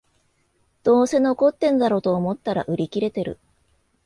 どうせ残ってんだろと思ったら売り切れてる